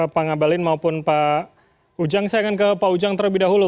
pak ngabalin maupun pak ujang saya akan ke pak ujang terlebih dahulu